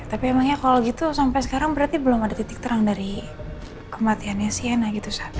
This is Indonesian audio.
tapi emangnya kalau gitu sampai sekarang berarti belum ada titik terang dari kematiannya siena gitu